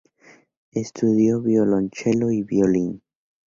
Estudió violonchelo y violín.